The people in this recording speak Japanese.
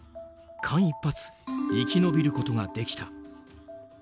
間一髪、生き延びることができた。